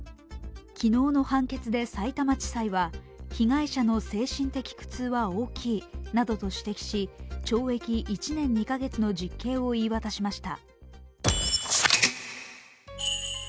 昨日の判決でさいたま地裁は、被害者の精神的苦痛は大きいなどと指摘し懲役１年２カ月の実刑を言い渡しました。